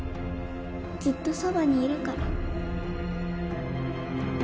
ずっとそばにいるから